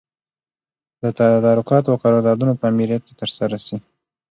د تدارکاتو او قراردادونو په امریت کي ترسره سي.